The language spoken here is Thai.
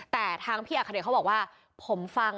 แต่ทางพี่อาคเดตเขาบอกว่า